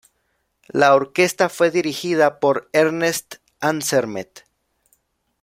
La orquesta fue dirigida por Ernest Ansermet.